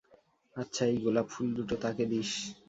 আচ্ছা, এই গোলাপ ফুল দুটো তাঁকে দিস।